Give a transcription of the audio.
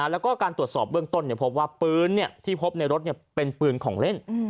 แล้วก็การตรวจสอบเบื้องต้นพบว่าปืนที่พบในรถเป็นปืนของเล่น